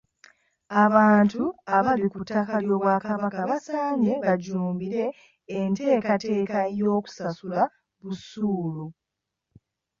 Abantu abali ku ttaka ly'Obwakabaka basaanye bajjumbire enteekateeka y'okusasula busuulu.